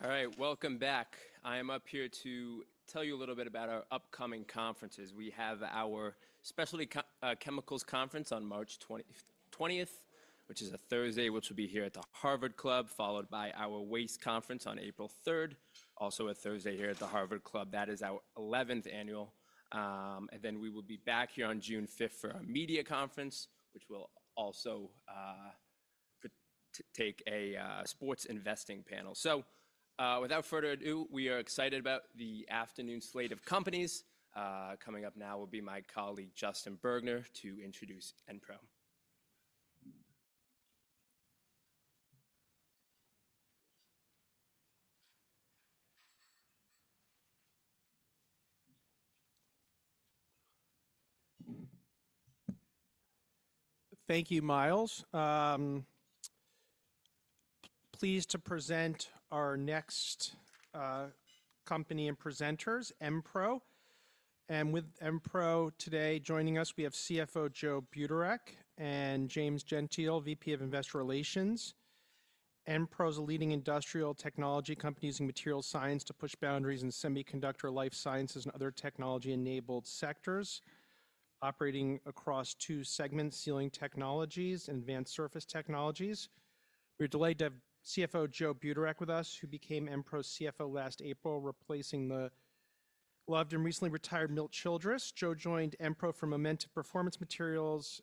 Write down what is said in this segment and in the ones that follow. All right, welcome back. I am up here to tell you a little bit about our upcoming conferences. We have our Specialty Chemicals Conference on March 20, which is a Thursday, which will be here at the Harvard Club, followed by our Waste Conference on April 3, also a Thursday here at the Harvard Club. That is our 11th annual. And then we will be back here on June 5 for our Media Conference, which will also take a sports investing panel. So without further ado, we are excited about the afternoon slate of companies. Coming up now will be my colleague, Justin Bergner, to introduce Enpro. Thank you, Miles. Pleased to present our next company and presenters, Enpro, and with Enpro today joining us, we have CFO Joe Bruderek and James Gentile, VP of Investor Relations. Enpro is a leading industrial technology company using materials science to push boundaries in semiconductor, life sciences and other technology-enabled sectors, operating across two segments: Sealing Technologies and Advanced Surface Technologies. We're delighted to have CFO Joe Bruderek with us, who became Enpro's CFO last April, replacing the loved and recently retired Milt Childress. Joe joined Enpro from Momentive Performance Materials,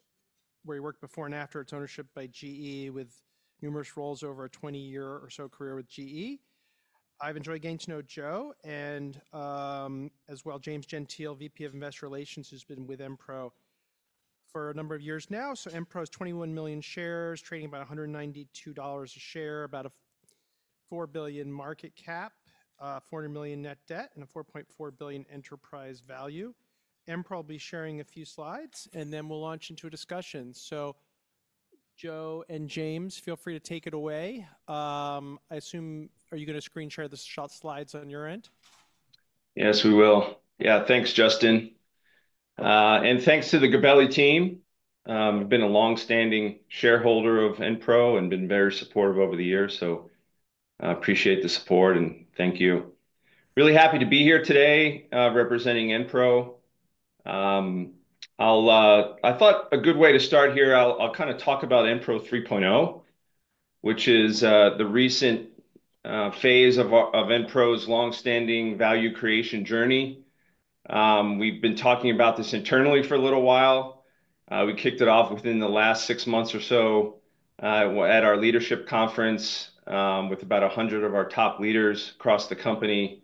where he worked before and after its ownership by GE, with numerous roles over a 20-year-or-so career with GE. I've enjoyed getting to know Joe, and as well, James Gentile, VP of Investor Relations, who's been with Enpro for a number of years now. Enpro has 21 million shares, trading about $192 a share, about a $4 billion market cap, $400 million net debt, and a $4.4 billion enterprise value. Enpro will be sharing a few slides, and then we'll launch into a discussion. So Joe and James, feel free to take it away. I assume, are you going to screen share the slides on your end? Yes, we will. Yeah, thanks, Justin, and thanks to the Gabelli team. I've been a longstanding shareholder of Enpro and been very supportive over the years. So I appreciate the support, and thank you. Really happy to be here today representing Enpro. I thought a good way to start here. I'll kind of talk about Enpro 3.0, which is the recent phase of Enpro's longstanding value creation journey. We've been talking about this internally for a little while. We kicked it off within the last six months or so at our leadership conference with about 100 of our top leaders across the company.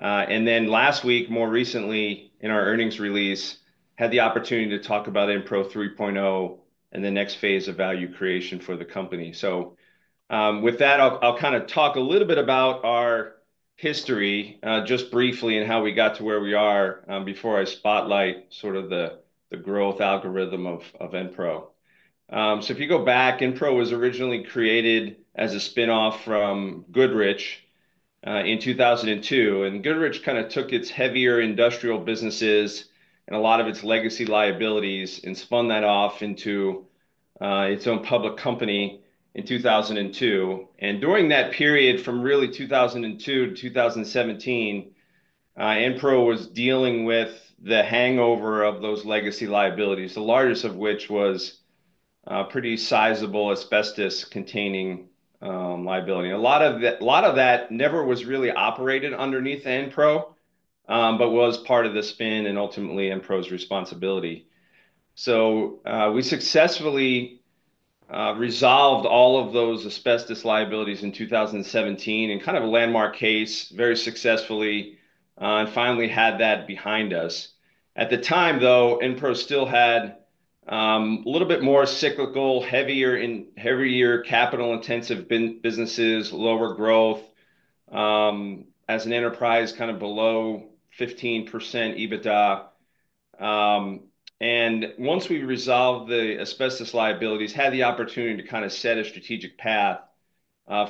Then last week, more recently, in our earnings release, had the opportunity to talk about Enpro 3.0 and the next phase of value creation for the company. So with that, I'll kind of talk a little bit about our history just briefly and how we got to where we are before I spotlight sort of the growth algorithm of Enpro. So if you go back, Enpro was originally created as a spinoff from Goodrich in 2002. And Goodrich kind of took its heavier industrial businesses and a lot of its legacy liabilities and spun that off into its own public company in 2002. And during that period, from really 2002 to 2017, Enpro was dealing with the hangover of those legacy liabilities, the largest of which was pretty sizable asbestos-containing liability. A lot of that never was really operated underneath Enpro but was part of the spin and ultimately Enpro's responsibility. So we successfully resolved all of those asbestos liabilities in 2017 in kind of a landmark case, very successfully, and finally had that behind us. At the time, though, Enpro still had a little bit more cyclical, heavier capital-intensive businesses, lower growth, as an enterprise kind of below 15% EBITDA, and once we resolved the asbestos liabilities, had the opportunity to kind of set a strategic path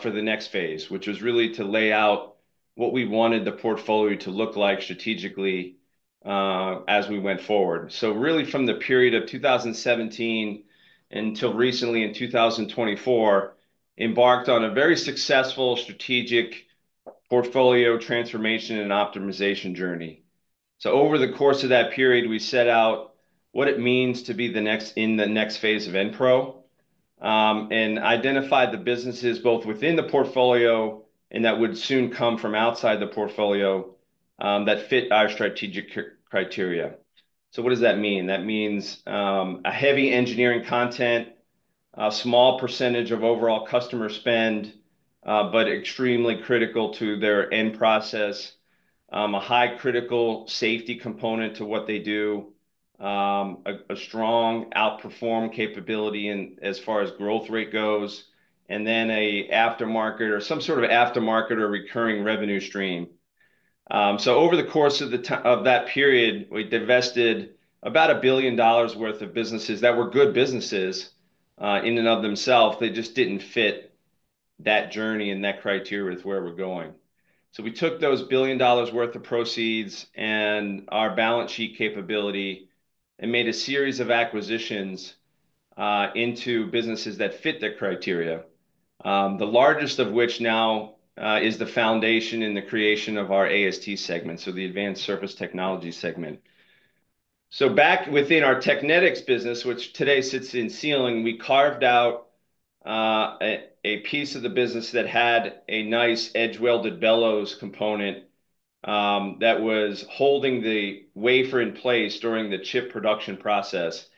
for the next phase, which was really to lay out what we wanted the portfolio to look like strategically as we went forward, so really, from the period of 2017 until recently in 2024, we embarked on a very successful strategic portfolio transformation and optimization journey, so over the course of that period, we set out what it means to be in the next phase of Enpro and identified the businesses both within the portfolio and that would soon come from outside the portfolio that fit our strategic criteria. So what does that mean? That means a heavy engineering content, a small percentage of overall customer spend, but extremely critical to their end process, a high critical safety component to what they do, a strong outperform capability as far as growth rate goes, and then an aftermarket or some sort of aftermarket or recurring revenue stream. So over the course of that period, we divested about $1 billion worth of businesses that were good businesses in and of themselves. They just didn't fit that journey and that criteria with where we're going. So we took those $1 billion worth of proceeds and our balance sheet capability and made a series of acquisitions into businesses that fit the criteria, the largest of which now is the foundation in the creation of our AST segment, so the Advanced Surface Technologies segment. So back within our Technetics business, which today sits in Sealing, we carved out a piece of the business that had a nice edge-welded bellows component that was holding the wafer in place during the chip production process.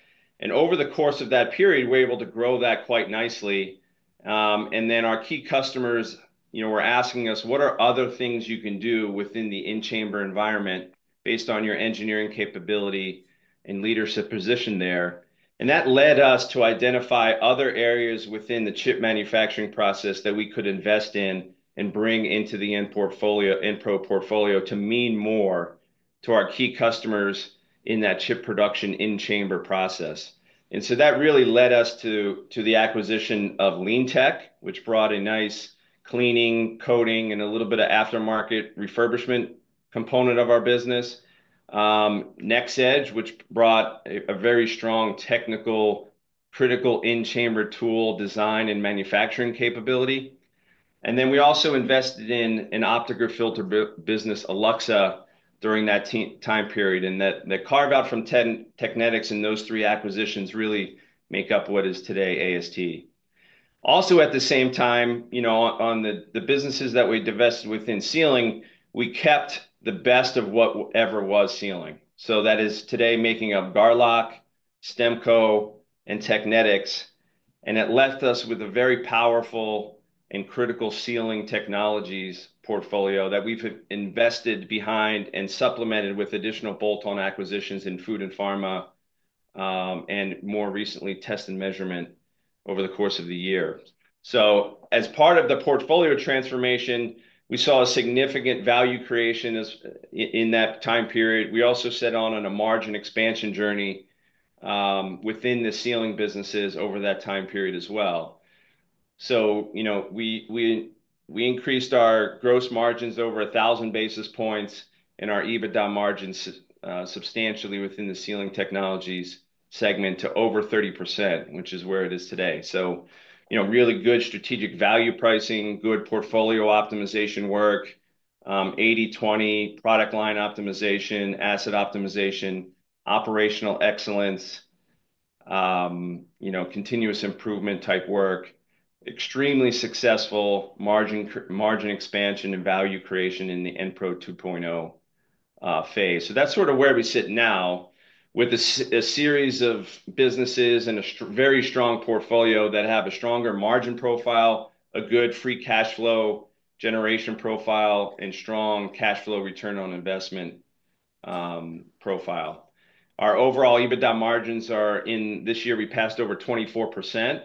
And over the course of that period, we were able to grow that quite nicely. And then our key customers were asking us, "What are other things you can do within the in-chamber environment based on your engineering capability and leadership position there?" And that led us to identify other areas within the chip manufacturing process that we could invest in and bring into the Enpro portfolio to mean more to our key customers in that chip production in-chamber process. And so that really led us to the acquisition of LeanTeq, which brought a nice cleaning, coating, and a little bit of aftermarket refurbishment component of our business. NxEdge, which brought a very strong technical critical in-chamber tool design and manufacturing capability. And then we also invested in an optic or filter business, Alluxa, during that time period. And the carve-out from Technetics and those three acquisitions really make up what is today AST. Also, at the same time, on the businesses that we divested within sealing, we kept the best of whatever was sealing. So that is today making up Garlock, STEMCO, and Technetics. And it left us with a very powerful and critical Sealing Technologies portfolio that we've invested behind and supplemented with additional bolt-on acquisitions in food and pharma and more recently test and measurement over the course of the year. So as part of the portfolio transformation, we saw a significant value creation in that time period. We also set on a margin expansion journey within the sealing businesses over that time period as well, so we increased our gross margins over 1,000 basis points and our EBITDA margins substantially within the Sealing Technologies segment to over 30%, which is where it is today, so really good strategic value pricing, good portfolio optimization work, 80/20 product line optimization, asset optimization, operational excellence, continuous improvement type work, extremely successful margin expansion and value creation in the Enpro 2.0 phase, so that's sort of where we sit now with a series of businesses and a very strong portfolio that have a stronger margin profile, a good free cash flow generation profile, and strong cash flow return on investment profile. Our overall EBITDA margins are. In this year, we passed over 24%,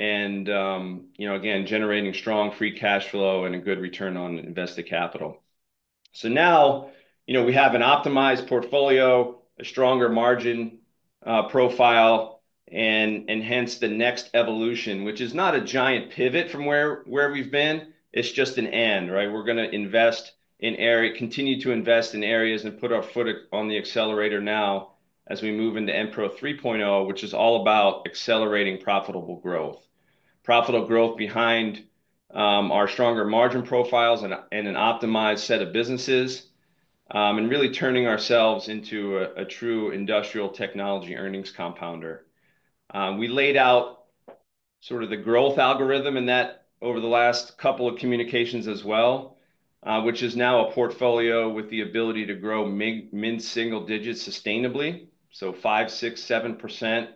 and again, generating strong free cash flow and a good return on invested capital. Now we have an optimized portfolio, a stronger margin profile, and enhanced the next evolution, which is not a giant pivot from where we've been. It's just an end, right? We're going to invest in area, continue to invest in areas, and put our foot on the accelerator now as we move into Enpro 3.0, which is all about accelerating profitable growth. Profitable growth behind our stronger margin profiles and an optimized set of businesses and really turning ourselves into a true industrial technology earnings compounder. We laid out sort of the growth algorithm in that over the last couple of communications as well, which is now a portfolio with the ability to grow mid-single digits sustainably, so five, six, seven%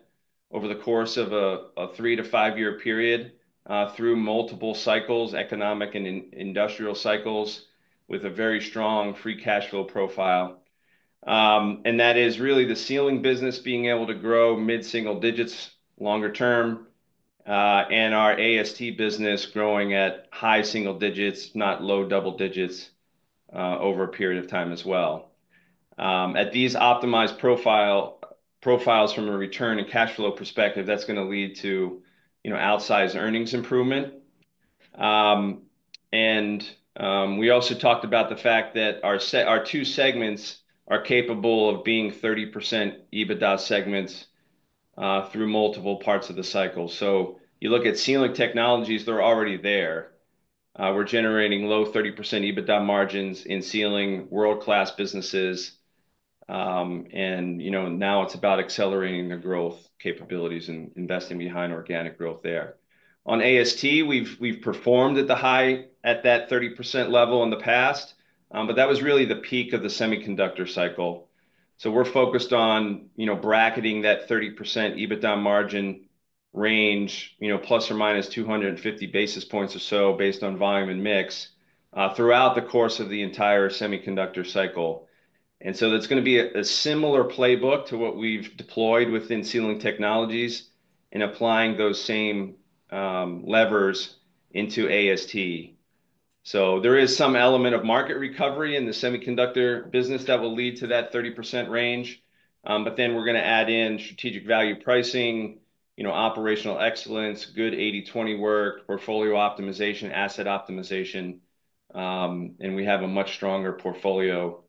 over the course of a three- to five-year period through multiple cycles, economic and industrial cycles, with a very strong free cash flow profile. And that is really the Sealing business being able to grow mid-single digits longer term and our AST business growing at high single digits, not low double digits over a period of time as well. At these optimized profiles from a return and cash flow perspective, that's going to lead to outsized earnings improvement. And we also talked about the fact that our two segments are capable of being 30% EBITDA segments through multiple parts of the cycle. So you look at Sealing Technologies, they're already there. We're generating low 30% EBITDA margins in Sealing world-class businesses. And now it's about accelerating the growth capabilities and investing behind organic growth there. On AST, we've performed at that 30% level in the past, but that was really the peak of the semiconductor cycle. So we're focused on bracketing that 30% EBITDA margin range, ±250 basis points or so based on volume and mix throughout the course of the entire semiconductor cycle. And so that's going to be a similar playbook to what we've deployed within Sealing Technologies and applying those same levers into AST. So there is some element of market recovery in the semiconductor business that will lead to that 30% range. But then we're going to add in strategic value pricing, operational excellence, good 80/20 work, portfolio optimization, asset optimization. And we have a much stronger portfolio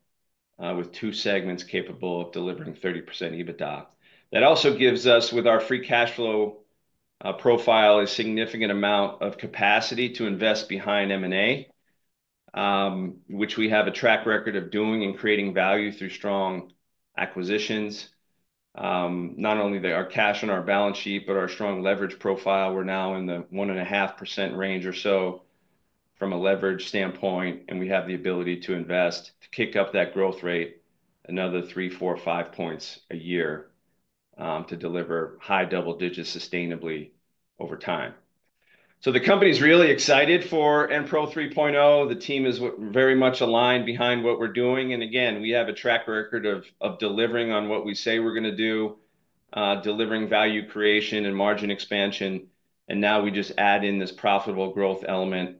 with two segments capable of delivering 30% EBITDA. That also gives us, with our free cash flow profile, a significant amount of capacity to invest behind M&A, which we have a track record of doing and creating value through strong acquisitions. Not only our cash on our balance sheet, but our strong leverage profile, we're now in the 1.5% range or so from a leverage standpoint, and we have the ability to invest to kick up that growth rate another three, four, five points a year to deliver high double digits sustainably over time. So the company's really excited for Enpro 3.0. The team is very much aligned behind what we're doing. And again, we have a track record of delivering on what we say we're going to do, delivering value creation and margin expansion. And now we just add in this profitable growth element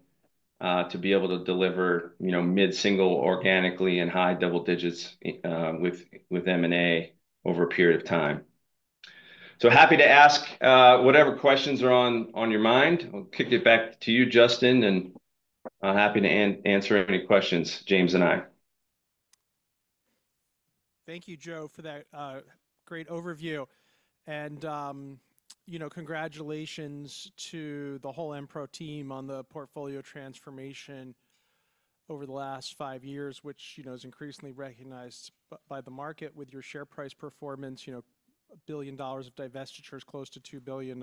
to be able to deliver mid-single organically and high double digits with M&A over a period of time. So happy to ask whatever questions are on your mind. I'll kick it back to you, Justin, and happy to answer any questions, James and I. Thank you, Joe, for that great overview, and congratulations to the whole Enpro team on the portfolio transformation over the last five years, which is increasingly recognized by the market with your share price performance, $1 billion of divestitures, close to $2 billion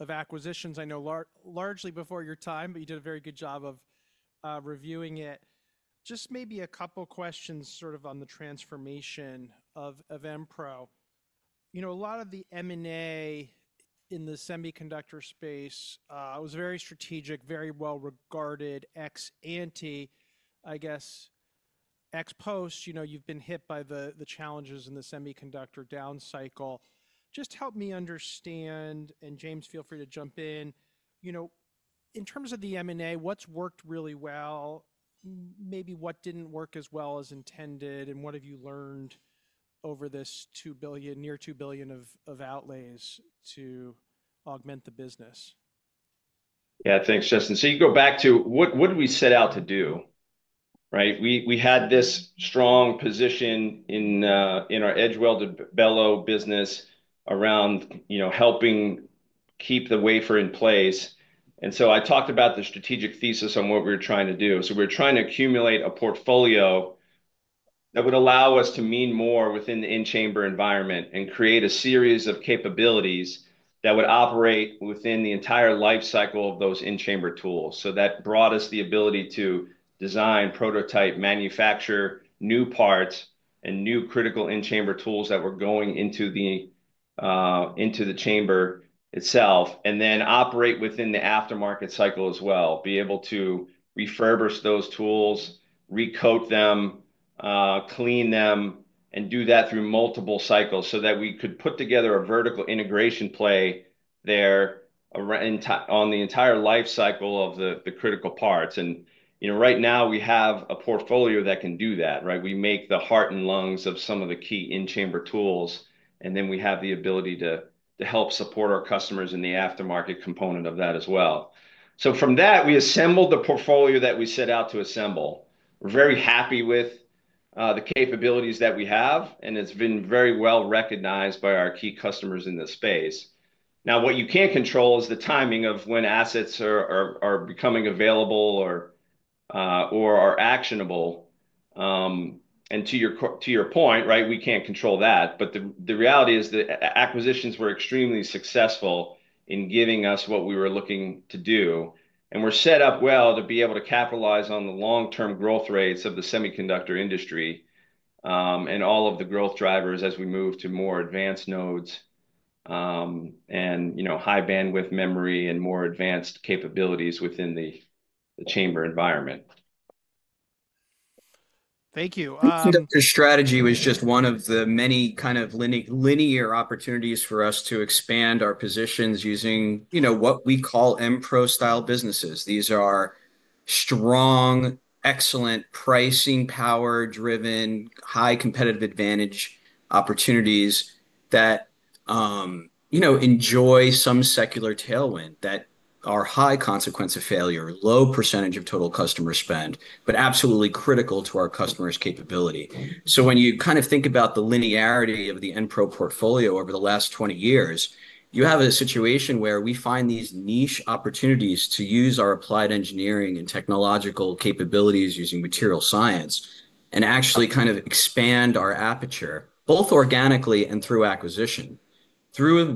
of acquisitions. I know largely before your time, but you did a very good job of reviewing it. Just maybe a couple of questions sort of on the transformation of Enpro. A lot of the M&A in the semiconductor space was very strategic, very well regarded, ex-ante, I guess, ex-post. You've been hit by the challenges in the semiconductor down cycle. Just help me understand, and James, feel free to jump in. In terms of the M&A, what's worked really well? Maybe what didn't work as well as intended? And what have you learned over this near $2 billion of outlays to augment the business? Yeah, thanks, Justin. So you go back to what did we set out to do, right? We had this strong position in our edge-welded bellows business around helping keep the wafer in place. And so I talked about the strategic thesis on what we were trying to do. So we're trying to accumulate a portfolio that would allow us to mean more within the in-chamber environment and create a series of capabilities that would operate within the entire life cycle of those in-chamber tools. So that brought us the ability to design, prototype, manufacture new parts and new critical in-chamber tools that were going into the chamber itself, and then operate within the aftermarket cycle as well, be able to refurbish those tools, recoat them, clean them, and do that through multiple cycles so that we could put together a vertical integration play there on the entire life cycle of the critical parts. And right now, we have a portfolio that can do that, right? We make the heart and lungs of some of the key in-chamber tools, and then we have the ability to help support our customers in the aftermarket component of that as well. So from that, we assembled the portfolio that we set out to assemble. We're very happy with the capabilities that we have, and it's been very well recognized by our key customers in this space. Now, what you can't control is the timing of when assets are becoming available or are actionable. And to your point, right, we can't control that. But the reality is that acquisitions were extremely successful in giving us what we were looking to do. And we're set up well to be able to capitalize on the long-term growth rates of the semiconductor industry and all of the growth drivers as we move to more advanced nodes and high bandwidth memory and more advanced capabilities within the chamber environment. Thank you. Your strategy was just one of the many kind of linear opportunities for us to expand our positions using what we call Enpro-style businesses. These are strong, excellent pricing power-driven, high competitive advantage opportunities that enjoy some secular tailwind that are high consequence of failure, low percentage of total customer spend, but absolutely critical to our customers' capability. So when you kind of think about the linearity of the Enpro portfolio over the last 20 years, you have a situation where we find these niche opportunities to use our applied engineering and technological capabilities using material science and actually kind of expand our aperture, both organically and through acquisition. Through 1.0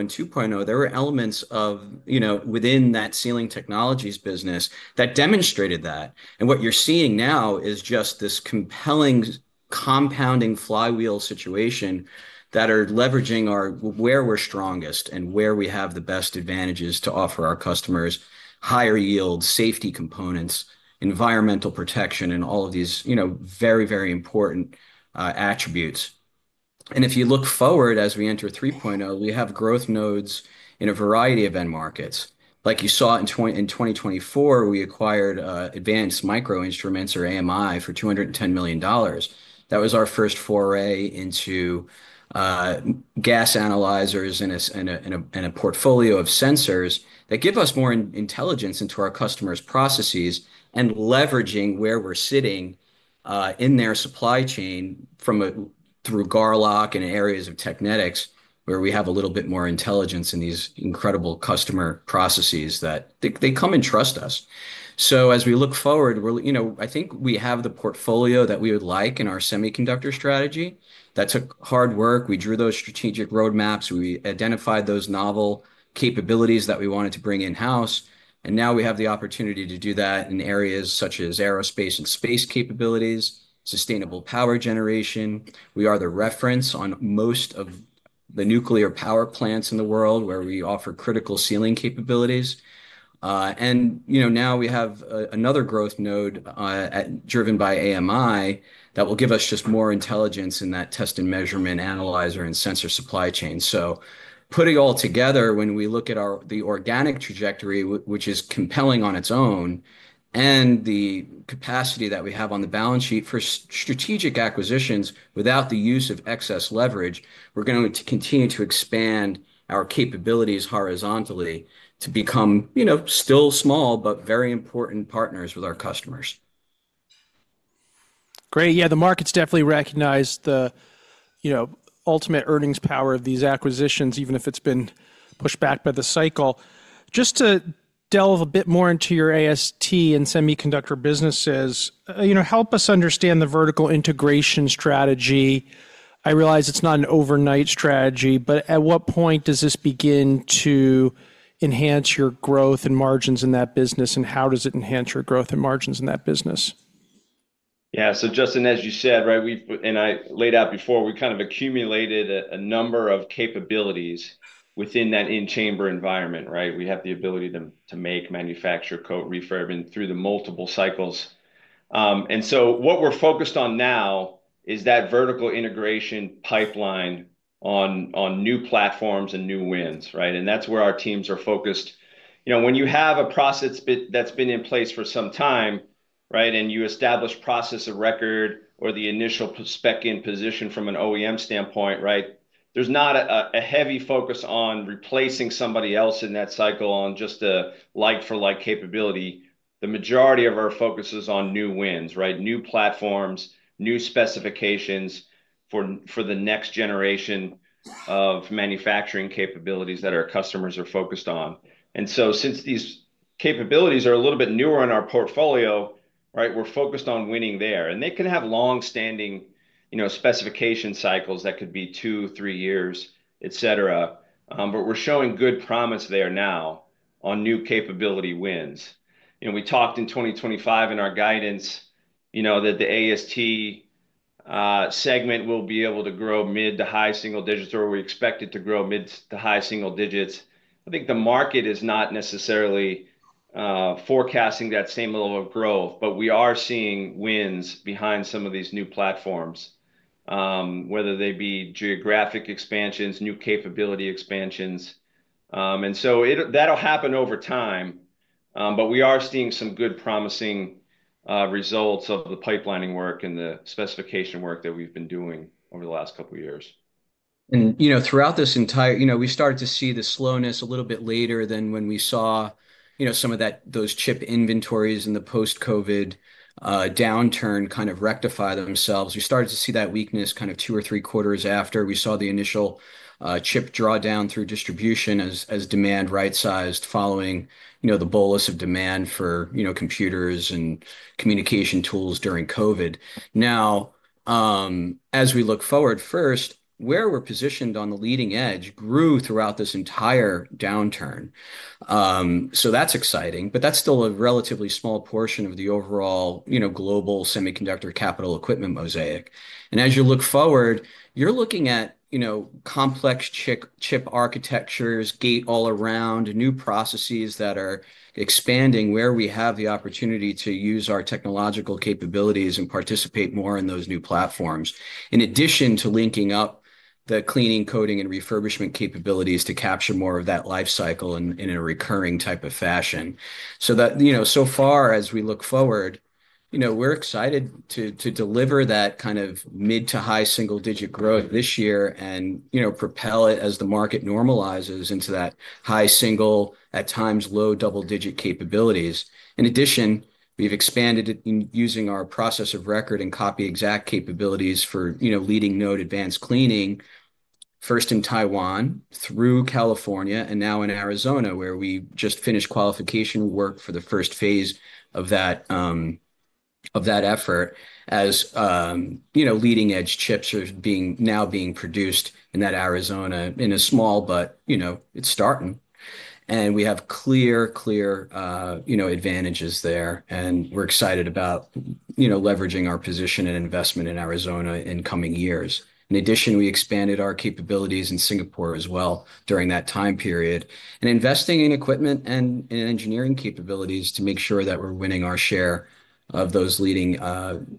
and 2.0, there were elements within that Sealing Technologies business that demonstrated that. And what you're seeing now is just this compelling compounding flywheel situation that are leveraging where we're strongest and where we have the best advantages to offer our customers higher yield, safety components, environmental protection, and all of these very, very important attributes. And if you look forward as we enter 3.0, we have growth nodes in a variety of end markets. Like you saw in 2024, we acquired Advanced Micro Instruments or AMI for $210 million. That was our first foray into gas analyzers and a portfolio of sensors that give us more intelligence into our customers' processes and leveraging where we're sitting in their supply chain through Garlock and areas of Technetics where we have a little bit more intelligence in these incredible customer processes that they come and trust us. So as we look forward, I think we have the portfolio that we would like in our semiconductor strategy. That took hard work. We drew those strategic roadmaps. We identified those novel capabilities that we wanted to bring in-house. And now we have the opportunity to do that in areas such as aerospace and space capabilities, sustainable power generation. We are the reference on most of the nuclear power plants in the world where we offer critical sealing capabilities. And now we have another growth node driven by AMI that will give us just more intelligence in that test and measurement analyzer and sensor supply chain. So putting all together, when we look at the organic trajectory, which is compelling on its own, and the capacity that we have on the balance sheet for strategic acquisitions without the use of excess leverage, we're going to continue to expand our capabilities horizontally to become still small, but very important partners with our customers. Great. Yeah, the markets definitely recognize the ultimate earnings power of these acquisitions, even if it's been pushed back by the cycle. Just to delve a bit more into your AST and semiconductor businesses, help us understand the vertical integration strategy? I realize it's not an overnight strategy, but at what point does this begin to enhance your growth and margins in that business, and how does it enhance your growth and margins in that business? Yeah, so Justin, as you said, right, and I laid out before, we kind of accumulated a number of capabilities within that in-chamber environment, right? We have the ability to make, manufacture, coat, refurb through the multiple cycles, and so what we're focused on now is that vertical integration pipeline on new platforms and new wins, right, and that's where our teams are focused. When you have a process that's been in place for some time, right, and you establish process of record or the initial spec in position from an OEM standpoint, right, there's not a heavy focus on replacing somebody else in that cycle on just a like-for-like capability. The majority of our focus is on new wins, right? New platforms, new specifications for the next generation of manufacturing capabilities that our customers are focused on, and so since these capabilities are a little bit newer in our portfolio, right, we're focused on winning there. And they can have long-standing specification cycles that could be two, three years, etc. But we're showing good promise there now on new capability wins. We talked in 2025 in our guidance that the AST segment will be able to grow mid to high single digits or we expect it to grow mid to high single digits. I think the market is not necessarily forecasting that same level of growth, but we are seeing wins behind some of these new platforms, whether they be geographic expansions, new capability expansions, and so that'll happen over time. But we are seeing some good promising results of the pipelining work and the specification work that we've been doing over the last couple of years. And throughout this entire, we started to see the slowness a little bit later than when we saw some of those chip inventories and the post-COVID downturn kind of rectify themselves. We started to see that weakness kind of two or three quarters after we saw the initial chip drawdown through distribution as demand right-sized following the bolus of demand for computers and communication tools during COVID. Now, as we look forward, first, where we're positioned on the leading edge grew throughout this entire downturn. So that's exciting, but that's still a relatively small portion of the overall global semiconductor capital equipment mosaic. And as you look forward, you're looking at complex chip architectures, gate-all-around, new processes that are expanding where we have the opportunity to use our technological capabilities and participate more in those new platforms, in addition to linking up the cleaning, coating, and refurbishment capabilities to capture more of that life cycle in a recurring type of fashion. So, as we look forward, we're excited to deliver that kind of mid- to high single-digit growth this year and propel it as the market normalizes into that high single-, at times low double-digit capabilities. In addition, we've expanded it using our Process of Record and Copy Exact capabilities for leading node advanced cleaning, first in Taiwan, through California, and now in Arizona, where we just finished qualification work for the first phase of that effort as leading-edge chips are now being produced in that Arizona in a small, but it's starting. We have clear, clear advantages there, and we're excited about leveraging our position and investment in Arizona in coming years. In addition, we expanded our capabilities in Singapore as well during that time period and investing in equipment and engineering capabilities to make sure that we're winning our share of those leading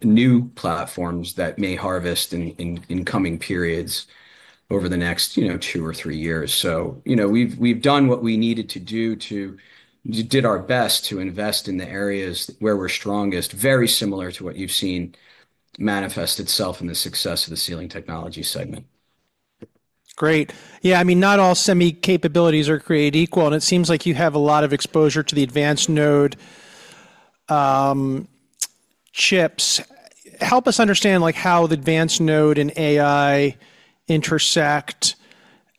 new platforms that may harvest in coming periods over the next two or three years. So we've done what we needed to do to do our best to invest in the areas where we're strongest, very similar to what you've seen manifest itself in the success of the Sealing Technologies segment. Great. Yeah. I mean, not all semi capabilities are created equal. And it seems like you have a lot of exposure to the advanced node chips. Help us understand how the advanced node and AI intersect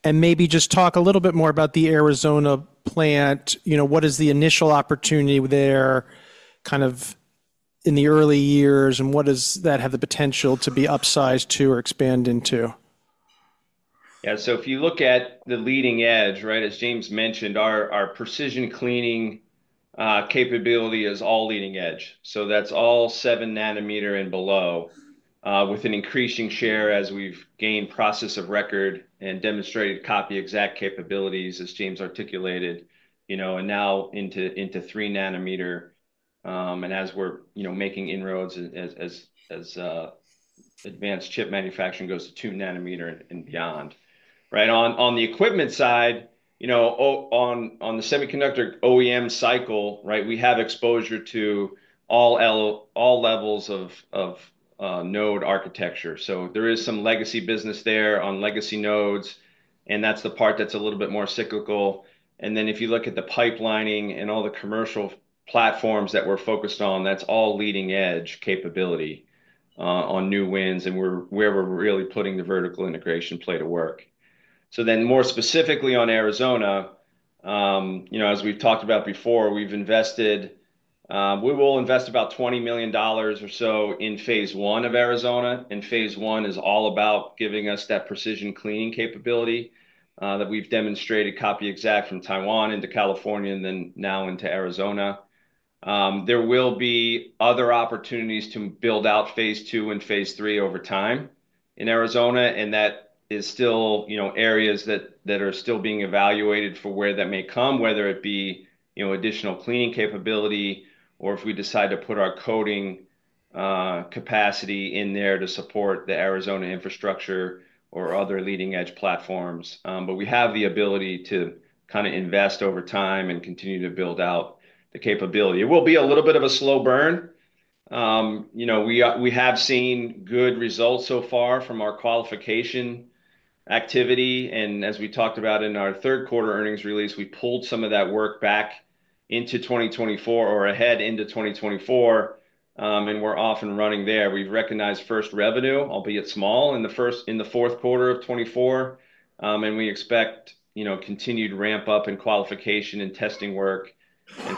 and maybe just talk a little bit more about the Arizona plant. What is the initial opportunity there kind of in the early years, and what does that have the potential to be upsized to or expand into? Yeah. So if you look at the leading edge, right, as James mentioned, our precision cleaning capability is all leading edge. So that's all 7nm and below with an increasing share as we've gained process of record and demonstrated copy exact capabilities, as James articulated, and now into 3nm. And as we're making inroads as advanced chip manufacturing goes to 2nm and beyond. Right. On the equipment side, on the semiconductor OEM cycle, right, we have exposure to all levels of node architecture. So there is some legacy business there on legacy nodes, and that's the part that's a little bit more cyclical. And then if you look at the pipelining and all the commercial platforms that we're focused on, that's all leading edge capability on new wins and where we're really putting the vertical integration play to work. So then more specifically on Arizona, as we've talked about before, we will invest about $20 million or so in phase one of Arizona. Phase one is all about giving us that precision cleaning capability that we've demonstrated Copy Exact from Taiwan into California and then now into Arizona. There will be other opportunities to build out phase II and phase III over time in Arizona. That is still areas that are still being evaluated for where that may come, whether it be additional cleaning capability or if we decide to put our coating capacity in there to support the Arizona infrastructure or other leading-edge platforms. We have the ability to kind of invest over time and continue to build out the capability. It will be a little bit of a slow burn. We have seen good results so far from our qualification activity. As we talked about in our third quarter earnings release, we pulled some of that work back into 2024 or ahead into 2024, and we're off and running there. We've recognized first revenue, albeit small, in the fourth quarter of 2024. We expect continued ramp-up and qualification and testing work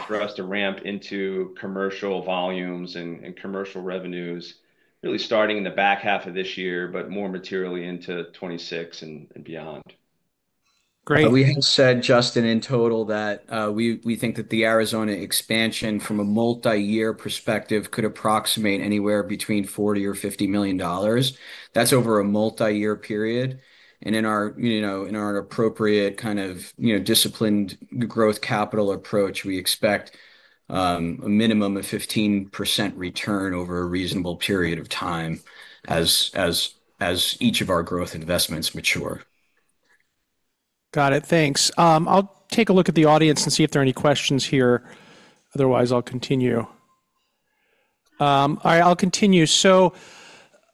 for us to ramp into commercial volumes and commercial revenues, really starting in the back half of this year, but more materially into 2026 and beyond. Great. We have said, Justin, in total that we think that the Arizona expansion from a multi-year perspective could approximate anywhere between $40-50 million. That's over a multi-year period. In our appropriate kind of disciplined growth capital approach, we expect a minimum of 15% return over a reasonable period of time as each of our growth investments mature. Got it. Thanks. I'll take a look at the audience and see if there are any questions here. Otherwise, I'll continue. All right. I'll continue. So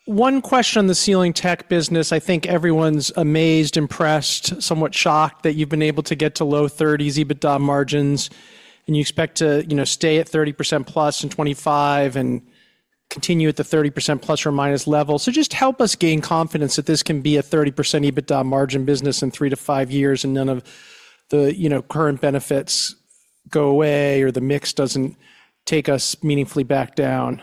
one question on the Sealing Tech business. I think everyone's amazed, impressed, somewhat shocked that you've been able to get to low 30s EBITDA margins, and you expect to stay at 30%+ in 2025 and continue at the ±30% level. So just help us gain confidence that this can be a 30% EBITDA margin business in three to five years and none of the current benefits go away or the mix doesn't take us meaningfully back down.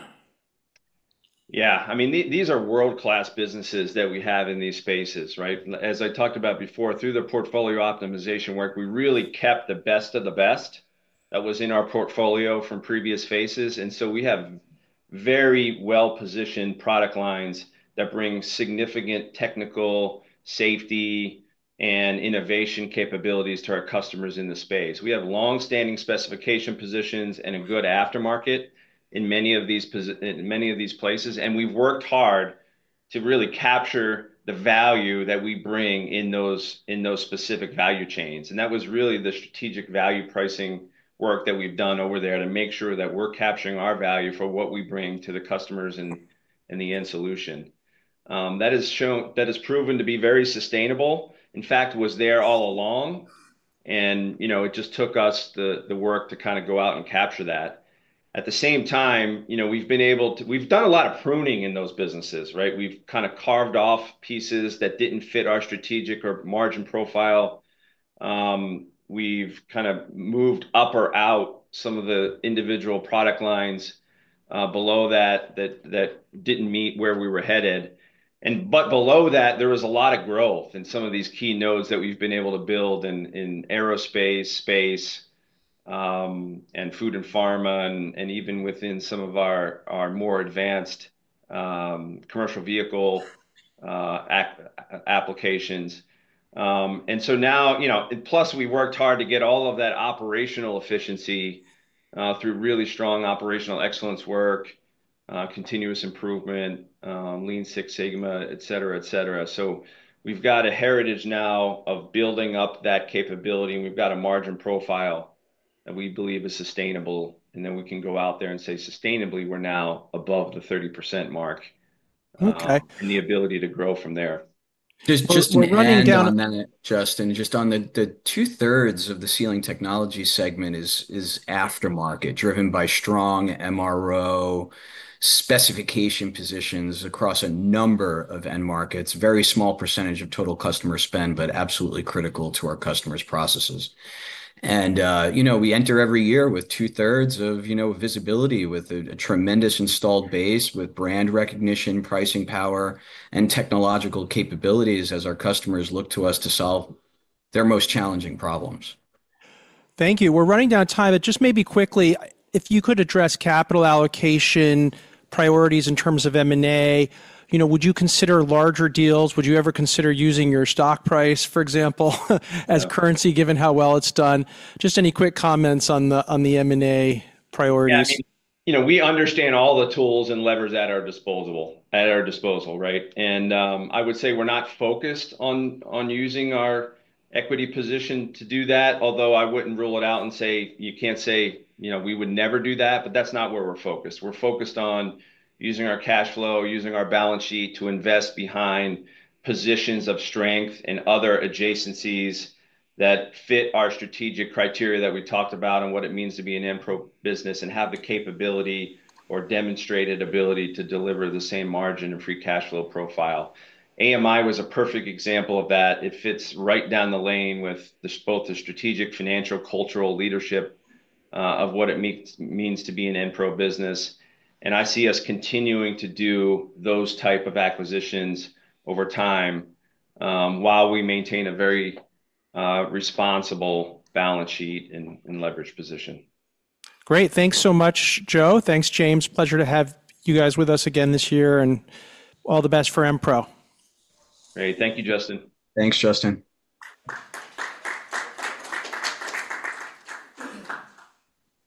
Yeah. I mean, these are world-class businesses that we have in these spaces, right? As I talked about before, through the portfolio optimization work, we really kept the best of the best that was in our portfolio from previous phases. And so we have very well-positioned product lines that bring significant technical safety and innovation capabilities to our customers in the space. We have long-standing specification positions and a good aftermarket in many of these places. We have worked hard to really capture the value that we bring in those specific value chains. That was really the strategic value pricing work that we have done over there to make sure that we are capturing our value for what we bring to the customers and the end solution. That has proven to be very sustainable. In fact, was there all along. It just took us the work to kind of go out and capture that. At the same time, we have done a lot of pruning in those businesses, right? We have kind of carved off pieces that did not fit our strategic or margin profile. We've kind of moved up or out some of the individual product lines below that that didn't meet where we were headed. But below that, there was a lot of growth in some of these key nodes that we've been able to build in aerospace space and food and pharma and even within some of our more advanced commercial vehicle applications. And so now, plus we worked hard to get all of that operational efficiency through really strong operational excellence work, continuous improvement, Lean Six Sigma, etc., etc. So we've got a heritage now of building up that capability. We've got a margin profile that we believe is sustainable. And then we can go out there and say, sustainably, we're now above the 30% mark and the ability to grow from there. Just running down a minute, Justin. Just on the 2/3 of the Sealing Technologies segment is aftermarket driven by strong MRO specification positions across a number of end markets, very small percentage of total customer spend, but absolutely critical to our customers' processes. We enter every year with 2/3 of visibility with a tremendous installed base with brand recognition, pricing power, and technological capabilities as our customers look to us to solve their most challenging problems. Thank you. We're running down time. Just maybe quickly, if you could address capital allocation priorities in terms of M&A, would you consider larger deals? Would you ever consider using your stock price, for example, as currency given how well it's done? Just any quick comments on the M&A priorities. We understand all the tools and levers at our disposal, right? I would say we're not focused on using our equity position to do that, although I wouldn't rule it out and say you can't say we would never do that, but that's not where we're focused. We're focused on using our cash flow, using our balance sheet to invest behind positions of strength and other adjacencies that fit our strategic criteria that we talked about and what it means to be an Enpro business and have the capability or demonstrated ability to deliver the same margin and free cash flow profile. AMI was a perfect example of that. It fits right down the lane with both the strategic, financial, cultural leadership of what it means to be an Enpro business. I see us continuing to do those types of acquisitions over time while we maintain a very responsible balance sheet and leverage position. Great. Thanks so much, Joe. Thanks, James. Pleasure to have you guys with us again this year and all the best for Enpro. Great. Thank you, Justin. Thanks, Justin.